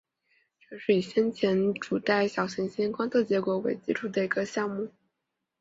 这是以先前主带小行星观测结果为基础的一个项目。